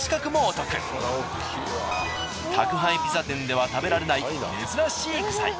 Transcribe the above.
宅配ピザ店では食べられない珍しい具材。